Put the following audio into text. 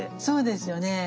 そうですよね。